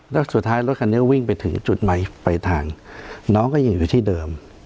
แล้วสุดท้ายรถคันนี้วิ่งไปถึงจุดใหม่ไปทางน้องก็ยังอยู่ที่เดิม